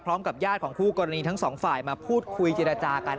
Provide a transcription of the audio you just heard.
พร้อมกับญาติของคู่กรณีทั้งสองฝ่ายมาพูดคุยเจรจากัน